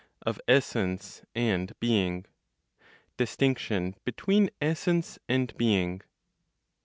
Of Essence and Being. DISTINCTION BETWEEN ESSENCE AND BEING.